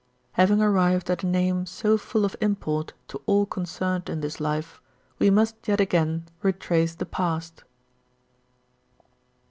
Having arrived at a name so full of import to all concerned in this Life, we must yet again retrace the past.